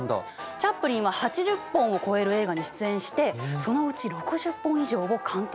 チャップリンは８０本を超える映画に出演してそのうち６０本以上を監督してる。